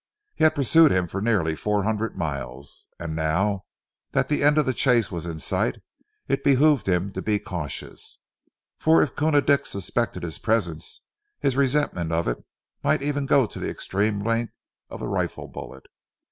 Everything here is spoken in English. He had pursued him for nearly four hundred miles, and now that the end of the chase was in sight, it behoved him to be cautious, for if Koona Dick suspected his presence his resentment of it might even go to the extreme length of a rifle bullet.